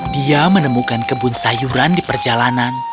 dia menemukan kebun sayuran di perjalanan